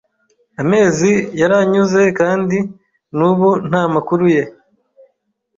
Amezi yaranyuze kandi n'ubu nta makuru ye